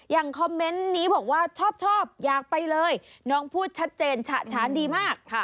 คอมเมนต์นี้บอกว่าชอบอยากไปเลยน้องพูดชัดเจนฉะฉานดีมาก